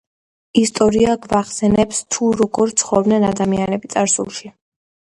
ისტორია გვახსენებს, თუ როგორ ცხოვრობდნენ ადამიანები წარსულში.